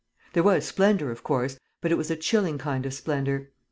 There was splendour, of course, but it was a chilling kind of splendour.